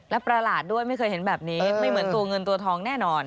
ไม่เคยเห็นแบบนี้ไม่เหมือนตัวเงินตัวทองแน่นอน